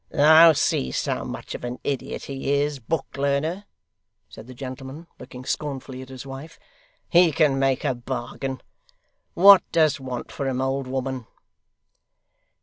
'Thou seest how much of an idiot he is, book learner,' said the gentleman, looking scornfully at his wife. 'He can make a bargain. What dost want for him, old woman?